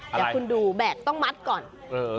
อะไรเดี๋ยวคุณดูแบตต้องมัดก่อนเออ